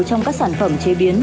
trong các sản phẩm chế biến